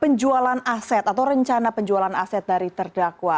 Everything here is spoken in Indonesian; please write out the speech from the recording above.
penjualan aset atau rencana penjualan aset dari terdakwa